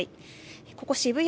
ここ渋谷